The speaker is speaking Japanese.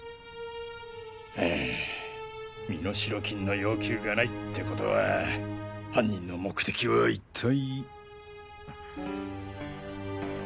身代金の要求がないってことは犯人の目的はいったい？